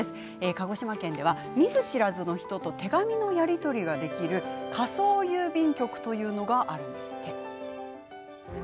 鹿児島県では見ず知らずの人と手紙をやり取りできる仮想郵便局があるんです。